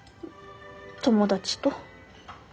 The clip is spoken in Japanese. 友達と。